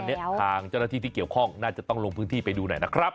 อันนี้ทางเจ้าหน้าที่ที่เกี่ยวข้องน่าจะต้องลงพื้นที่ไปดูหน่อยนะครับ